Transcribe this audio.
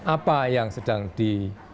apa yang sedang di